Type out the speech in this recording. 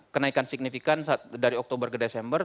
kenaikan signifikan dari oktober ke desember